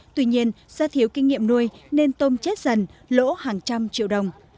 tuy nhiên do thiếu kinh nghiệm nuôi nên tôm chết dần lỗ hàng trăm triệu đồng